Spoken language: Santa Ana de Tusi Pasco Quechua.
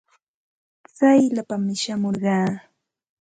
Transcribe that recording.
Tsayllapaami shamurqaa.